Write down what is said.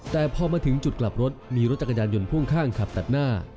แต่พอมาถึงจุดกลับรถมีรถจักรยานยนต์พ่วงข้างขับตัดหน้า